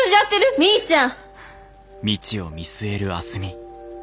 みーちゃん。